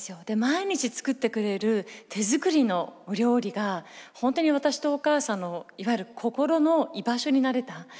で毎日作ってくれる手作りのお料理が本当に私とお母さんのいわゆる心の居場所になれた。